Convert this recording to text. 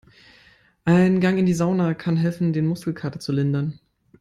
Ein Gang in die Sauna kann helfen, den Muskelkater zu lindern.